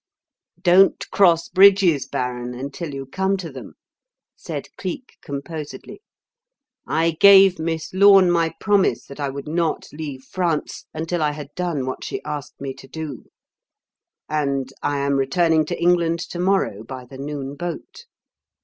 "Don't cross bridges, baron, until you come to them," said Cleek composedly. "I gave Miss Lorne my promise that I would not leave France until I had done what she asked me to do; and I am returning to England to morrow by the noon boat.